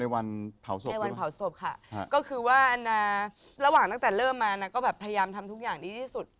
วันเผาศพในวันเผาศพค่ะก็คือว่านาระหว่างตั้งแต่เริ่มมานะก็แบบพยายามทำทุกอย่างดีที่สุด